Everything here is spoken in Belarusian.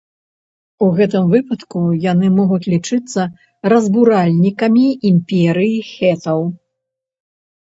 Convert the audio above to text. У гэтым выпадку, яны могуць лічыцца разбуральнікамі імперыі хетаў.